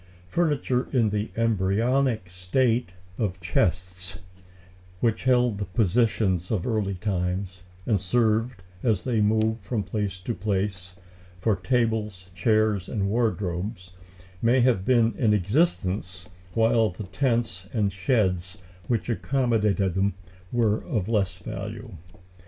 Furniture in the embryonic state of chests, which held the possessions of early times, and served, as they moved from place to place, for tables, chairs, and wardrobes, may have been in existence while the tents and sheds which accommodated them were of less value.